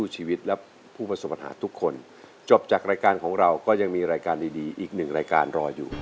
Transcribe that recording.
จบจากรายการของเราก็ยังมีรายการดีอีกหนึ่งรายการรออยู่